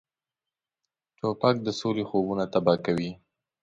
توپک د سولې خوبونه تباه کوي.